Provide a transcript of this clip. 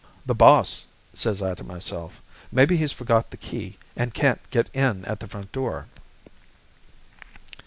"'The boss,' says I to myself; 'maybe he's forgot the key and can't get in at the front door.'